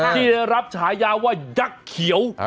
ที่ได้รับฉายาว่ายักษ์เขียว